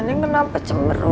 neneng kenapa cemerut